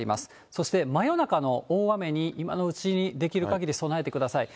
そして、真夜中の大雨に、今のうちにできるかぎり備えてください。